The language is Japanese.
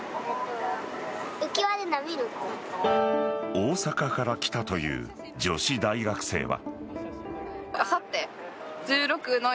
大阪から来たという女子大学生は。